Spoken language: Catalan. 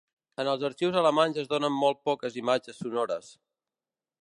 En els arxius alemanys es donen molt poques imatges sonores.